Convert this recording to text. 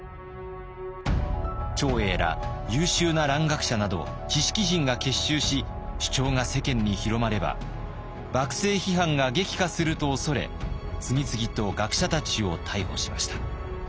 長英ら優秀な蘭学者など知識人が結集し主張が世間に広まれば幕政批判が激化すると恐れ次々と学者たちを逮捕しました。